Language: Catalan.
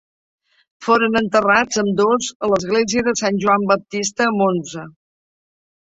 Foren enterrats ambdós a l'església de Sant Joan Baptista a Monza.